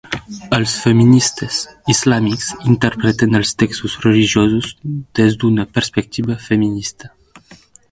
Els feministes islàmics interpreten els textos religiosos des d'una perspectiva feminista.